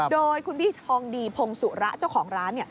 โดยคุณพี่ทองดีพงศุระเจ้าของร้าน